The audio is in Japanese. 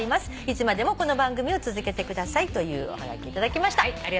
「いつまでもこの番組を続けてください」というおはがき頂きました。